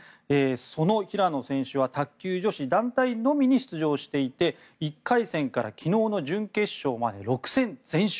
その平野選手は卓球女子団体のみに出場していて１回戦から昨日の準決勝まで６戦全勝。